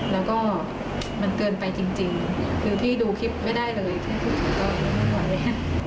แล้วก็มันเกินไปจริงคือพี่ดูคลิปไม่ได้เลยแค่คุณผมก็ไม่รู้ว่าเลย